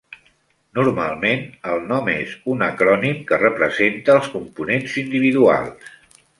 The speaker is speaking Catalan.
Normalment, el nom és un acrònim que representa els components individuals.